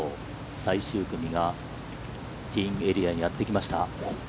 最終組がティーイングエリアにやってきました。